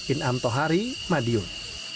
inam tohari madiun